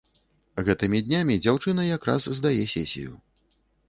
Гэтымі днямі дзяўчына якраз здае сесію.